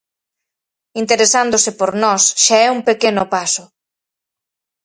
Interesándose por nós xa é un pequeno paso.